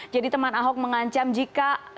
jadi teman ahok mengancam jika